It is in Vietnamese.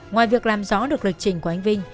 ngoài việc làm rõ được lịch trình của anh vinh